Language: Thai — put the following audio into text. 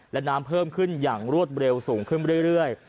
และน้ำเพิ่มขึ้นอย่างรวดเร็วสูงขึ้นเรื่อย